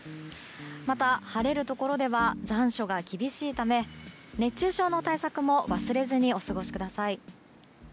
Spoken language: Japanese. また、晴れるところでは残暑が厳しいため熱中症の対策も忘れずにお過ごしください。